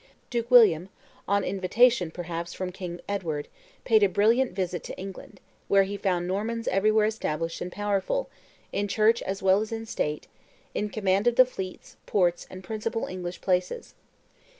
Duke William, on invitation, perhaps, from King Edward, paid a brilliant visit to England, where he found Normans everywhere established and powerful, in Church as well as in State; in command of the fleets, ports, and principal English places.